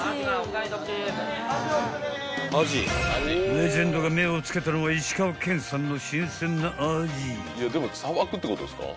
［レジェンドが目を付けたのは石川県産の新鮮なアジ］